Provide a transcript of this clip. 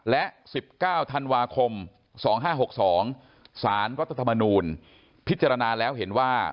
และ๑๙ธันวาคม๒๕๖๒สารรัฐธรรมนูลพิจารณาแล้วเห็นว่า